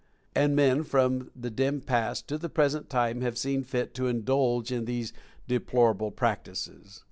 And men, from the dim past to the present time, have seen fit to indulge in these deplorable prac tices.